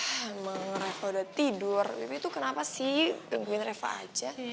emang reva udah tidur bibi tuh kenapa sih nungguin reva aja